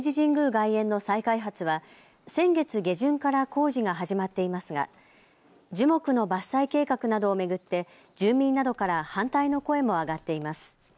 外苑の再開発は先月下旬から工事が始まっていますが樹木の伐採計画などを巡って住民などから反対の声も上がっています。